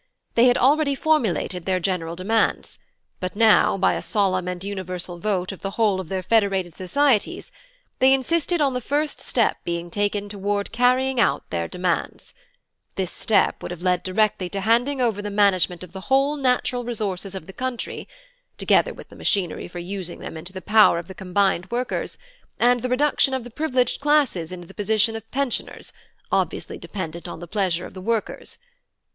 They had already formulated their general demands; but now by a solemn and universal vote of the whole of their federated societies, they insisted on the first step being taken toward carrying out their demands: this step would have led directly to handing over the management of the whole natural resources of the country, together with the machinery for using them into the power of the Combined Workers, and the reduction of the privileged classes into the position of pensioners obviously dependent on the pleasure of the workers.